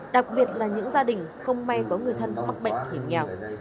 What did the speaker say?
đặc biệt là những gia đình không may có người thân mắc bệnh hiểm nghèo